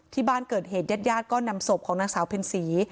ที่บ้านเกิดเหตุญาติญาติก็นำศพของนางสาวเพ็ญศรี